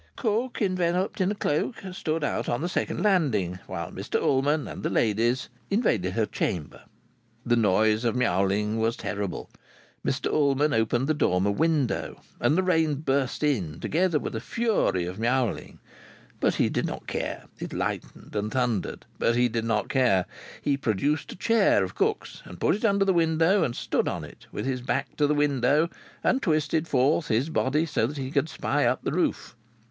Cook, enveloped in a cloak, stood out on the second landing, while Mr Ullman and the ladies invaded her chamber. The noise of myowling was terrible. Mr Ullman opened the dormer window, and the rain burst in, together with a fury of myowling. But he did not care. It lightened and thundered. But he did not care. He procured a chair of cook's and put it under the window and stood on it, with his back to the window, and twisted forth his body so that he could spy up the roof.